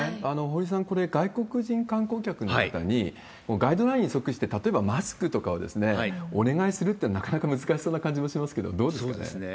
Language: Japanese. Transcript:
堀さん、これ、外国人観光客の方に、ガイドラインに即して、例えばマスクとかをお願いするって、なかなか難しそうな感じもしますけど、どうですかね？